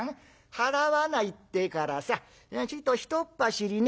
払わないってからさちょいとひとっ走りね